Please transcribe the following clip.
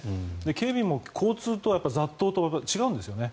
警備も交通と雑踏と違うんですよね。